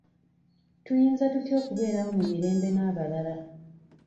Tuyinza tutya okubeerawo mu mirembe n'abalala?